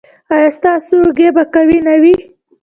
ایا ستاسو اوږې به قوي نه وي؟